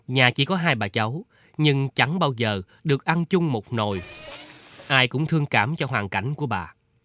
nhà chỉ có hai bà cháu nhưng chẳng bao giờ được ăn chung một nồi ai cũng thương cảm cho hoàn cảnh của bà